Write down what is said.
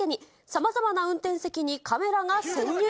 さまざまな運転席に、カメラが潜入。